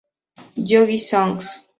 Yogi Songs.